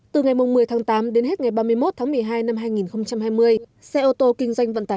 từ ngày một mươi tám đến hết ngày ba mươi một một mươi hai hai nghìn hai mươi